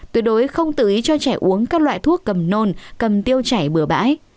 tuyệt đối không tự ý cho trẻ uống các loại thuốc cầm nôn cầm tiêu chảy bừa bãi